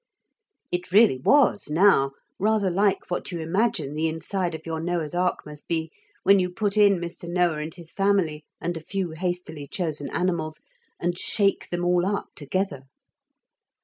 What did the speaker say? (It really was, now, rather like what you imagine the inside of your Noah's ark must be when you put in Mr. Noah and his family and a few hastily chosen animals and shake them all up together.)